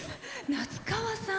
夏川さん